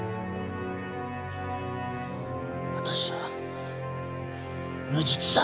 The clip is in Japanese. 私は無実だ。